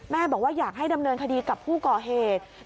บอกว่าอยากให้ดำเนินคดีกับผู้ก่อเหตุ